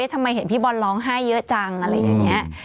ทำไมเห็นพี่บอลร้องไห้เยอะจังอะไรอย่างนี้